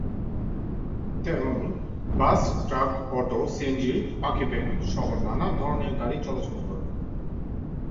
তেমন: bus, truck, auto, CNG, পাখি-ভ্যান সহ নানা ধরনের গাড়ি চলাচল করে।